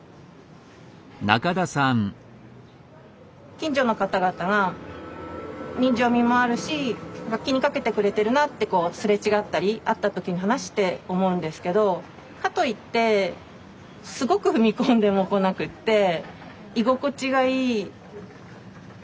近所の方々が人情味もあるし気にかけてくれてるなってこうすれ違ったり会った時に話して思うんですけどかといってすごく踏み込んでもこなくって居心地がいい。